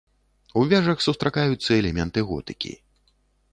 У вежах сустракаюцца элементы готыкі.